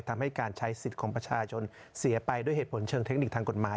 ทำให้การใช้สิทธิ์ของประชาชนเสียไปด้วยเหตุผลเชิงเทคนิคทางกฎหมาย